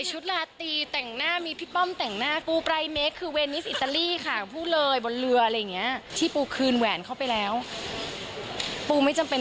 ส่วนคราวที่เมฆขอแต่งงานปูปรายยาก็ตอบแบบไม่อยากจะกันไว้แล้วค่ะ